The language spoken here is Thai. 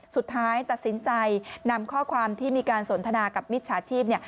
สุดท้ายตัดสินใจนำข้อความที่มีการสนทนากับมิจฉาชีพ